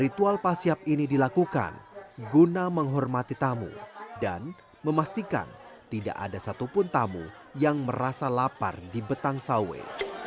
ritual pasiap ini dilakukan guna menghormati tamu dan memastikan tidak ada satupun tamu yang merasa lapar di betang sawe